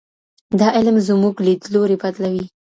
دا علم زموږ لیدلوری بدلوي.